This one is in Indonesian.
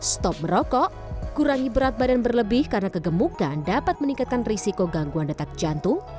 stop merokok kurangi berat badan berlebih karena kegemukan dapat meningkatkan risiko gangguan detak jantung